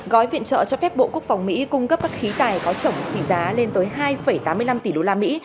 gói viện trợ cho phép bộ quốc phòng mỹ cung cấp các khí tài có tổng trị giá lên tới hai tám mươi năm tỷ đô la mỹ